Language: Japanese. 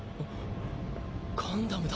ガンダムだ。